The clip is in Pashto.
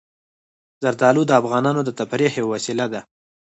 زردالو د افغانانو د تفریح یوه وسیله ده.